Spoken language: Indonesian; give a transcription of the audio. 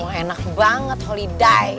tau enak banget holiday